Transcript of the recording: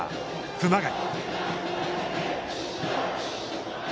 熊谷。